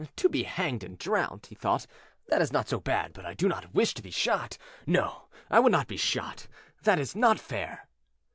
"To be hanged and drowned," he thought, "that is not so bad; but I do not wish to be shot. No; I will not be shot; that is not fair."